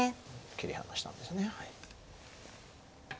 切り離したんですね。